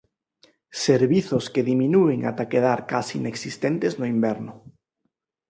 Servizos que diminúen ata quedar case inexistentes no inverno.